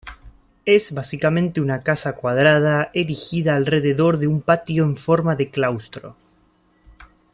Es básicamente una casa cuadrada erigida alrededor de un patio en forma de claustro.